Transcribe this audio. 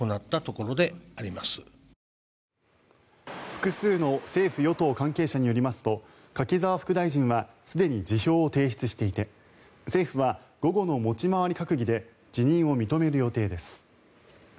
複数の政府・与党関係者によりますと柿沢副大臣はすでに辞表を提出していて政府は午後の持ち回り閣議で辞任を認める予定です。